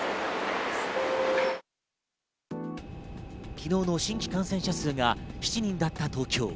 昨日の新規感染者数が７人だった東京。